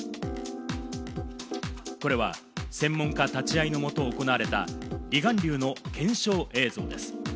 これは専門家立会いのもと行われた離岸流の検証映像です。